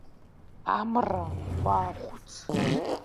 Амра, уаахәыц!